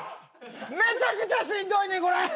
めちゃくちゃしんどいねんこれ！